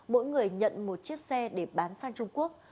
mỗi người nhận một chiếc xe để bán sang trung quốc